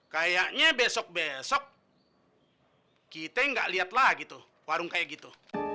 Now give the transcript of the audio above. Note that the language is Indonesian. kayaknya besok besok kita nggak lihat lagi tuh warung kayak gitu